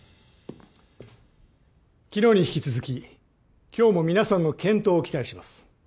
昨日に引き続き今日も皆さんの健闘を期待します。